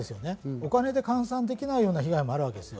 お金で換算できないような被害もあるわけです。